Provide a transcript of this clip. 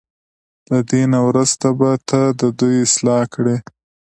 له دې نه وروسته به ته د دوی اصلاح کړې.